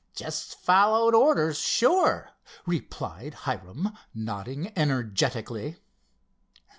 "Just followed orders—sure!" replied Hiram, nodding energetically.